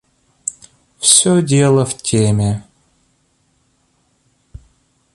Всё дело в теме.